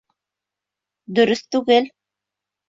Дөрөҫ түгел!